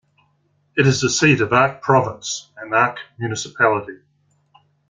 It is the seat of Arque Province and Arque Municipality.